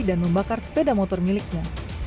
membakar sepeda motor miliknya